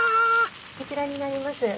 こちらになります。